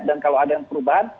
dan kalau ada perubahan